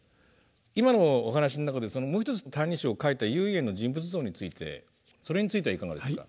今のお話の中でもう一つ「歎異抄」を書いた唯円の人物像についてそれについてはいかがですか？